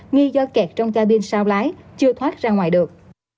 nghi do kẹt trong ca binh sao lái chưa thoát ra ngoài được